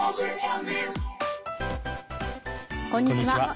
こんにちは。